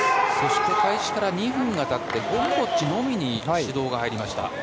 開始から２分が経ってゴムボッチのみに指導が入りました。